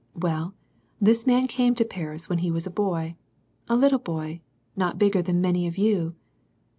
Well, this man came to Paris when he was a boy, a little boy, not bigger than many of you.